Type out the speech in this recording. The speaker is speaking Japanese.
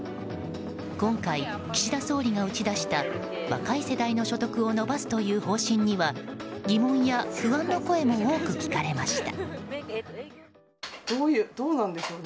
今回、岸田総理が打ち出した若い世代の所得を伸ばすという方針には、疑問や不安の声も多く聞かれました。